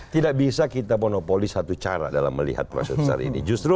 tidak bisa kita monopoli satu cara dalam melihat proses besar ini